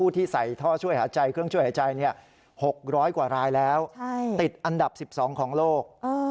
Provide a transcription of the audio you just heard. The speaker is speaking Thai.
ติดอันดับ๑๒ของโลก